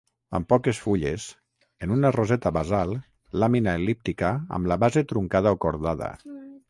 Amb poques fulles, en una roseta basal, làmina el·líptica amb la base truncada o cordada.